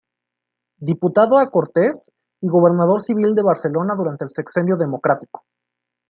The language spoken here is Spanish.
Diputado a Cortes y gobernador civil de Barcelona durante el Sexenio Democrático.